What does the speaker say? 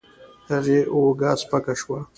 هغې اوږه سپکه شوه.